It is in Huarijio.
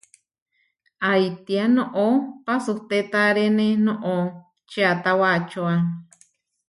¿Aitía noʼó pasutétarene noʼó? čiatá wacóa.